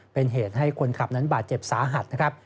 เป็นเหตุให้คนขับนั้นบาดเจ็บสาหัสนะครับ